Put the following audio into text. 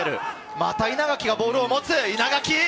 また稲垣がボールを持つ。